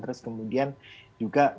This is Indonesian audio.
terus kemudian juga